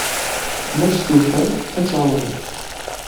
Ma stufan, ad tt-ɛawnen.